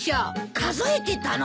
数えてたの！？